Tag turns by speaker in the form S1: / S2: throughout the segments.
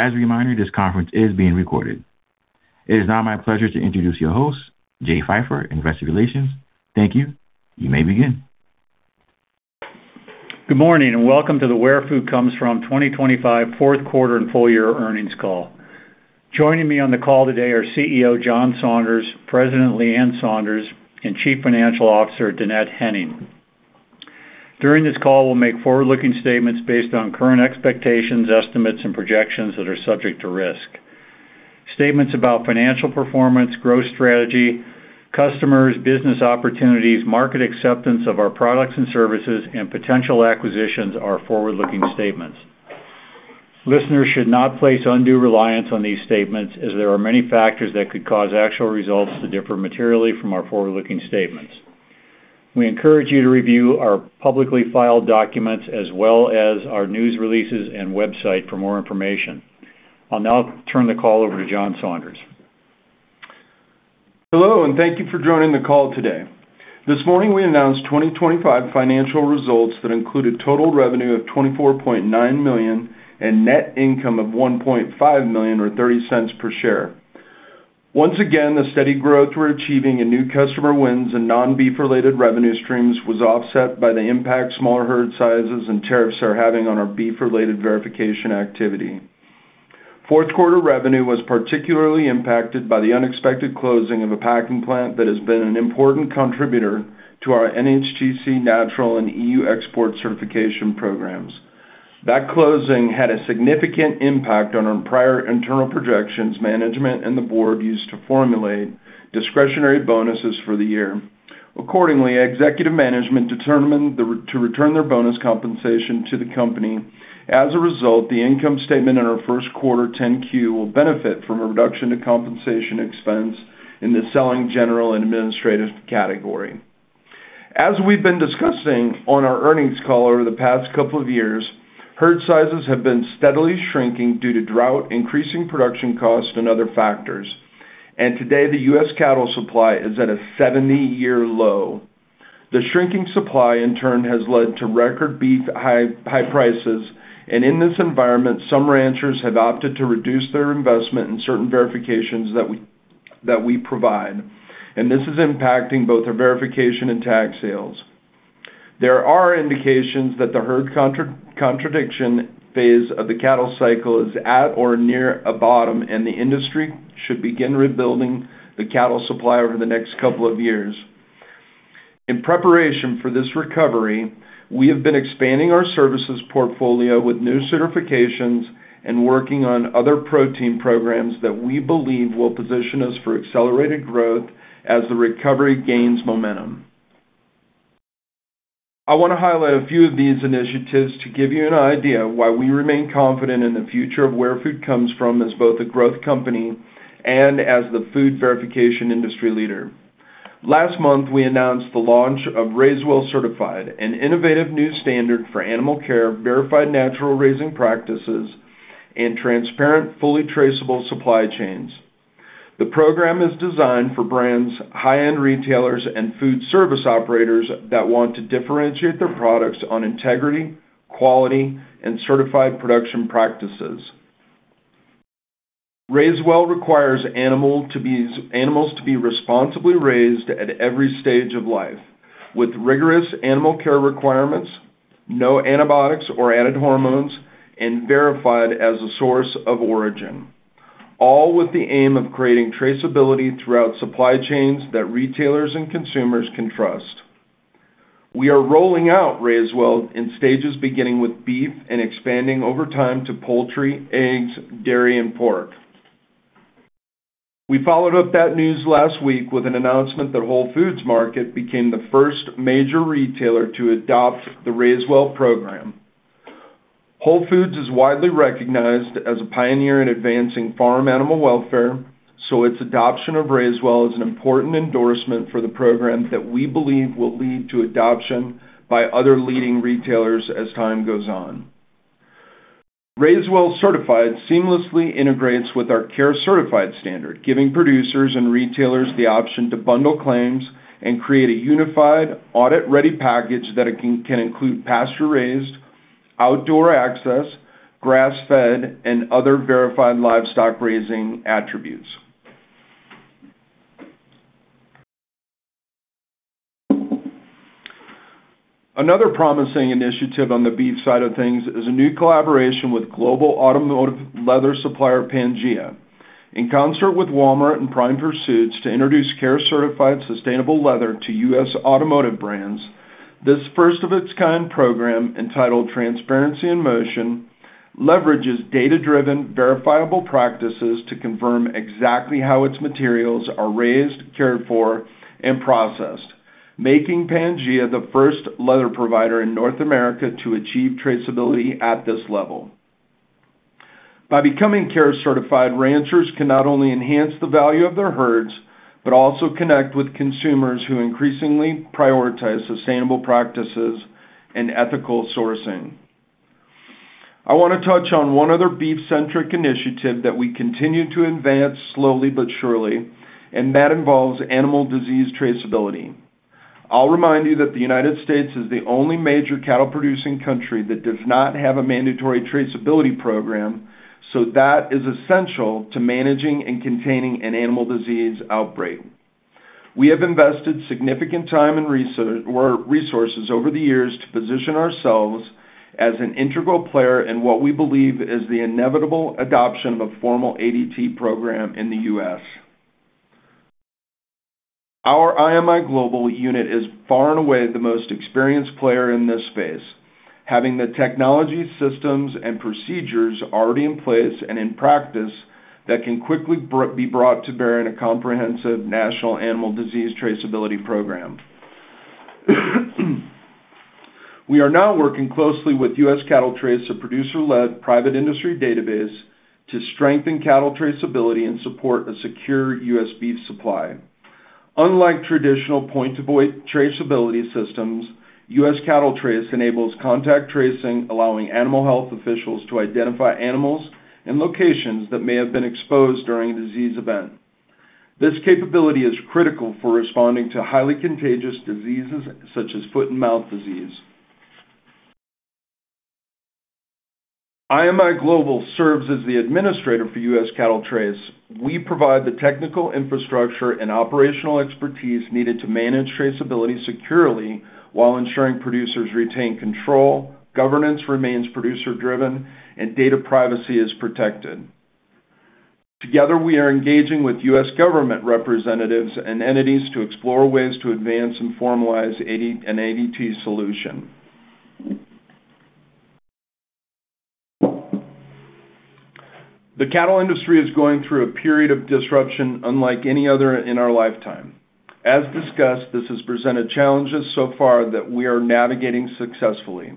S1: As a reminder, this conference is being recorded. It is now my pleasure to introduce your host, Jay Pfeiffer, Investor Relations. Thank you. You may begin.
S2: Good morning, welcome to the Where Food Comes From 2025 Q4 and full year Earnings Call. Joining me on the call today are CEO, John Saunders, President Leann Saunders, and Chief Financial Officer, Dannette Henning. During this call, we'll make forward-looking statements based on current expectations, estimates, and projections that are subject to risk. Statements about financial performance, growth strategy, customers, business opportunities, market acceptance of our products and services, and potential acquisitions are forward-looking statements. Listeners should not place undue reliance on these statements, as there are many factors that could cause actual results to differ materially from our forward-looking statements. We encourage you to review our publicly filed documents as well as our news releases and website for more information. I'll now turn the call over to John Saunders.
S3: Hello, thank you for joining the call today. This morning, we announced 2025 financial results that included total revenue of $24.9 million and net income of $1.5 million, or $0.30 per share. Once again, the steady growth we're achieving in new customer wins and non-beef-related revenue streams was offset by the impact smaller herd sizes and tariffs are having on our beef-related verification activity. Q4 revenue was particularly impacted by the unexpected closing of a packing plant that has been an important contributor to our NHTC, natural and EU export certification programs. That closing had a significant impact on our prior internal projections management and the board used to formulate discretionary bonuses for the year. Accordingly, executive management determined to return their bonus compensation to the company. Result, the income statement in our Q1 10-Q will benefit from a reduction to compensation expense in the Selling, General and Administrative category. We've been discussing on our Earnings Call over the past couple of years, herd sizes have been steadily shrinking due to drought, increasing production costs and other factors. Today, the U.S. cattle supply is at a 70-year low. The shrinking supply, in turn, has led to record beef high prices. In this environment, some ranchers have opted to reduce their investment in certain verifications that we provide. This is impacting both our verification and tag sales. There are indications that the herd contraction phase of the cattle cycle is at or near a bottom. The industry should begin rebuilding the cattle supply over the next couple of years. In preparation for this recovery, we have been expanding our services portfolio with new certifications and working on other protein programs that we believe will position us for accelerated growth as the recovery gains momentum. I want to highlight a few of these initiatives to give you an idea of why we remain confident in the future of Where Food Comes From, as both a growth company and as the food verification industry leader. Last month, we announced the launch of RaiseWell Certified, an innovative new standard for animal care, verified natural raising practices, and transparent, fully traceable supply chains. The program is designed for brands, high-end retailers, and food service operators that want to differentiate their products on integrity, quality, and certified production practices. RaiseWell requires animals to be responsibly raised at every stage of life, with rigorous animal care requirements, no antibiotics or added hormones, and verified as a source of origin, all with the aim of creating traceability throughout supply chains that retailers and consumers can trust. We are rolling out RaiseWell in stages, beginning with beef and expanding over time to poultry, eggs, dairy, and pork. We followed up that news last week with an announcement that Whole Foods Market became the first major retailer to adopt the RaiseWell program. Whole Foods is widely recognized as a pioneer in advancing farm animal welfare, so its adoption of RaiseWell is an important endorsement for the program that we believe will lead to adoption by other leading retailers as time goes on. RaiseWell® Certified seamlessly integrates with our CARE Certified standard, giving producers and retailers the option to bundle claims and create a unified, audit-ready package that it can include pasture-raised, outdoor access, grass-fed, and other verified livestock raising attributes. Another promising initiative on the beef side of things is a new collaboration with global automotive leather supplier Pangea. In concert with Walmart and Prime Pursuits to introduce CARE Certified sustainable leather to U.S. automotive brands, this first-of-its-kind program, entitled Transparency in Motion, leverages data-driven, verifiable practices to confirm exactly how its materials are raised, cared for, and processed, making Pangea the first leather provider in North America to achieve traceability at this level. By becoming CARE Certified, ranchers can not only enhance the value of their herds, but also connect with consumers who increasingly prioritize sustainable practices and ethical sourcing. I want to touch on one other beef-centric initiative that we continue to advance slowly but surely, and that involves animal disease traceability. I'll remind you that the United States is the only major cattle-producing country that does not have a mandatory traceability program. That is essential to managing and containing an animal disease outbreak. We have invested significant time and resources over the years to position ourselves as an integral player in what we believe is the inevitable adoption of a formal ADT program in the U.S. Our IMI Global unit is far and away the most experienced player in this space, having the technology systems and procedures already in place and in practice that can quickly be brought to bear in a comprehensive national animal disease traceability program. We are now working closely with U.S. CattleTrace, a producer-led private industry database, to strengthen cattle traceability and support a secure U.S. beef supply. Unlike traditional point-of-origin traceability systems, U.S. CattleTrace enables contact tracing, allowing animal health officials to identify animals and locations that may have been exposed during a disease event. This capability is critical for responding to highly contagious diseases, such as foot-and-mouth disease. IMI Global serves as the administrator for U.S. CattleTrace. We provide the technical infrastructure and operational expertise needed to manage traceability securely while ensuring producers retain control, governance remains producer-driven, and data privacy is protected. Together, we are engaging with U.S. government representatives and entities to explore ways to advance and formalize an ADT solution. The cattle industry is going through a period of disruption unlike any other in our lifetime. As discussed, this has presented challenges so far that we are navigating successfully.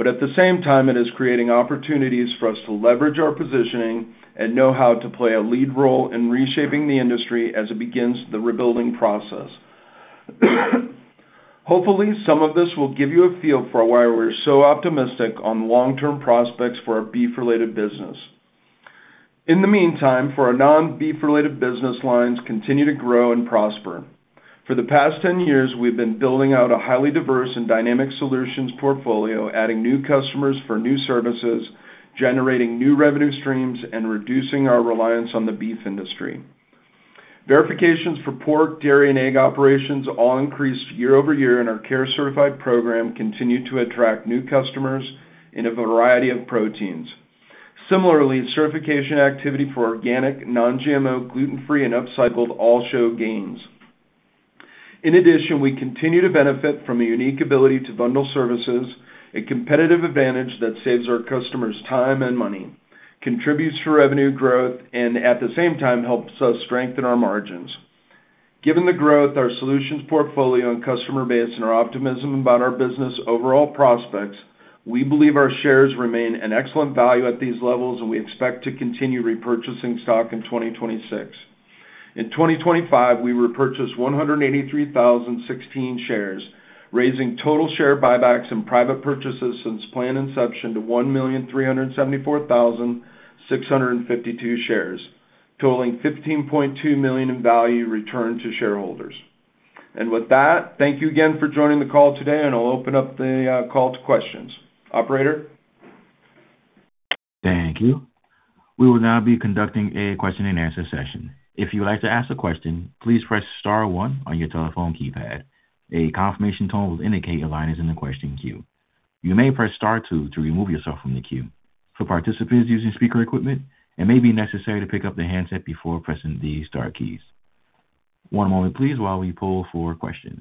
S3: At the same time, it is creating opportunities for us to leverage our positioning and know-how to play a lead role in reshaping the industry as it begins the rebuilding process. Hopefully, some of this will give you a feel for why we're so optimistic on long-term prospects for our beef-related business. In the meantime, for our non-beef-related business lines continue to grow and prosper. For the past 10 years, we've been building out a highly diverse and dynamic solutions portfolio, adding new customers for new services, generating new revenue streams, and reducing our reliance on the beef industry. Verifications for pork, dairy, and egg operations all increased year-over-year, and our CARE Certified program continued to attract new customers in a variety of proteins. Similarly, certification activity for organic, non-GMO, gluten-free, and upcycled all show gains. In addition, we continue to benefit from a unique ability to bundle services, a competitive advantage that saves our customers time and money, contributes to revenue growth, and, at the same time, helps us strengthen our margins. Given the growth, our solutions portfolio, and customer base, and our optimism about our business overall prospects, we believe our shares remain an excellent value at these levels, and we expect to continue repurchasing stock in 2026. In 2025, we repurchased 183,016 shares, raising total share buybacks and private purchases since plan inception to 1,374,652 shares, totaling $15.2 million in value returned to shareholders. With that, thank you again for joining the call today, and I'll open up the call to questions. Operator?
S1: Thank you. We will now be conducting a question-and-answer session. If you would like to ask a question, please press star one on your telephone keypad. A confirmation tone will indicate your line is in the question queue. You may press star two to remove yourself from the queue. For participants using speaker equipment, it may be necessary to pick up the handset before pressing the star keys. One moment please while we pull for questions.